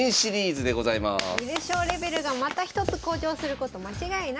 観る将レベルがまた一つ向上すること間違いなし。